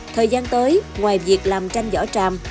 thời gian tới ngoài việc làm tranh vỏ tràm